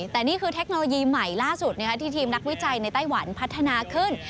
แต่นี่คือเทคโนโลยีใหม่ล่าสุดที่ทีมนักวิจัยในไต้หวันพัฒนาขึ้น